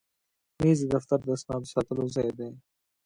مېز د دفتر د اسنادو ساتلو ځای دی.